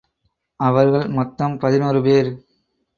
அவர்கள் மொத்தம் பதினொருபேர்.